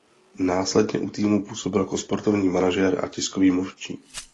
Následně u týmu působil jako sportovní manažer a tiskový mluvčí.